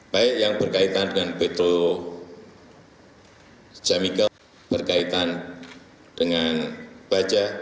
baik yang berkaitan dengan betul jamigal berkaitan dengan baca